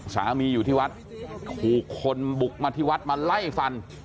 อยู่ที่วัดถูกคนบุกมาที่วัดมาไล่ฟัน